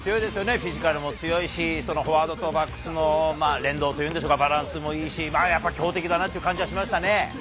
フィジカルも強いし、フォワードとバックスの連動というんでしょうか、バランスもいいし、強敵だなって感じしましたね。